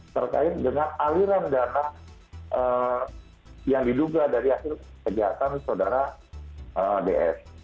terkait dengan aliran dana yang diduga dari hasil kejahatan sodara ds